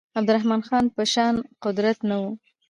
عبدالرحمن خان په شان قدرت نه وو.